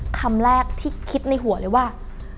คำแรกที่คิดในหัวเลยว่า